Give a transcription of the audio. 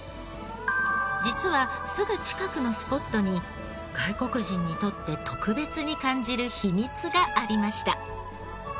実はすぐ近くのスポットに外国人にとって特別に感じる秘密がありました。